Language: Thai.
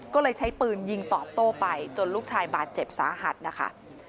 ก็เลยใช้ปืนยิงตอบโต้ไปจนลูกชายบาดเจ็บสาหัสนะคะ